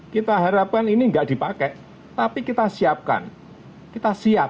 kita harapkan ini tidak dipakai tapi kita siapkan kita siap